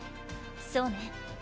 そうね